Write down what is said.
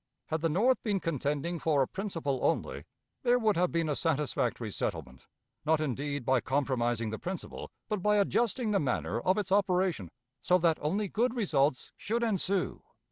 Had the North been contending for a principle only, there would have been a satisfactory settlement, not indeed by compromising the principle, but by adjusting the manner of its operation so that only good results should ensue.